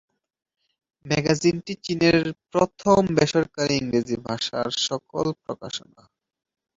ম্যাগাজিনটি চীনের প্রথম বেসরকারী ইংরেজি ভাষার সফল প্রকাশনা।